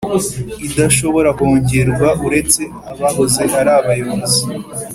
idashobora kongerwa uretse abahoze ari abayobozi